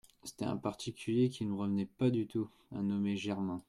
C'était un particulier qui ne me revenait pas du tout, un nommé Germain.